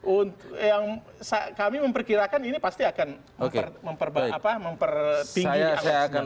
untuk yang kami memperkirakan ini pasti akan mempertinggi angka sekarang